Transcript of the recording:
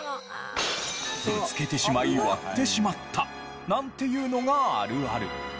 ぶつけてしまい割ってしまったなんていうのがあるある。